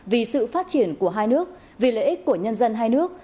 vì sự phát triển của hai nước vì lợi ích của nhân dân hai nước